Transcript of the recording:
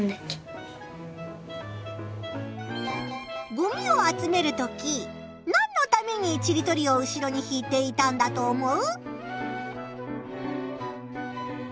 ごみを集めるときなんのためにちりとりを後ろに引いていたんだと思う？